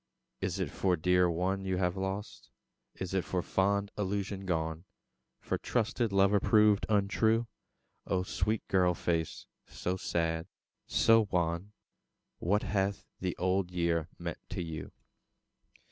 Is it for dear one you have lost? Is it for fond illusion gone? For trusted lover proved untrue? O sweet girl face, so sad, so wan What hath the Old Year meant to you?